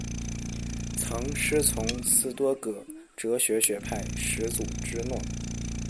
曾师从斯多噶哲学学派始祖芝诺。